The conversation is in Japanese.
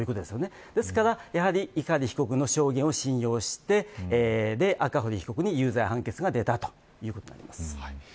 ですから碇被告の証言を信用して赤堀被告に有罪判決が出たということになります。